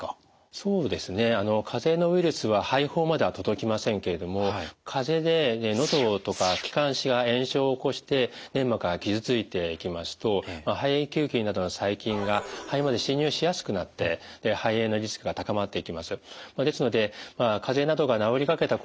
そうですねかぜのウイルスは肺胞までは届きませんけれどもかぜでのどとか気管支が炎症を起こして粘膜が傷ついていきますと肺炎球菌などの細菌が肺まで侵入しやすくなって肺炎のリスクが高まっていきます。